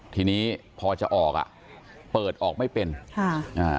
ทีนี้พอจะออกอ่ะเปิดออกไม่เป็นค่ะอ่า